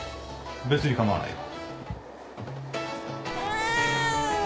別にかまわないよ。